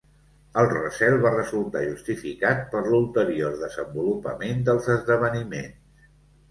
El recel va resultar justificat per l'ulterior desenvolupament dels esdeveniments.